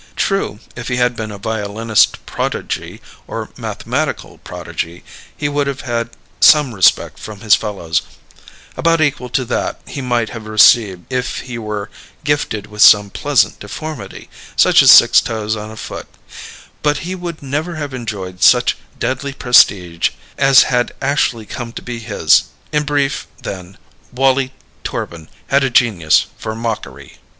True, if he had been a violinist prodigy or mathematical prodigy, he would have had some respect from his fellows about equal to that he might have received if he were gifted with some pleasant deformity, such as six toes on a foot but he would never have enjoyed such deadly prestige as had actually come to be his. In brief, then, Wallie Torbin had a genius for mockery.